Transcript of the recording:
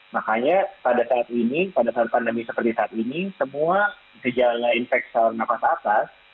makanya pada saat ini pada saat pandemi seperti saat ini semua gejala infek saluran nafas atas